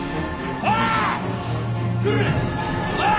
おい！